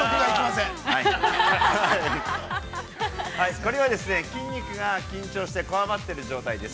◆これは、筋肉が緊張して、こわばっている状態です。